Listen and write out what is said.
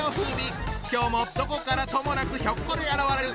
今日もどこからともなくひょっこり現れる！